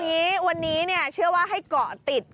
เอาอย่างนี้วันนี้เชื่อว่าให้เกาะติด